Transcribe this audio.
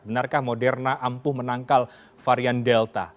benarkah moderna ampuh menangkal varian delta